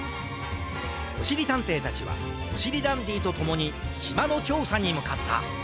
おしりたんていたちはおしりダンディとともにしまのちょうさにむかった。